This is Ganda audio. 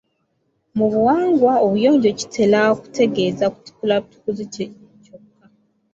Mu buwangwa, obuyonjo kitera kutegeeza kutukula butukuzi kye kyokka.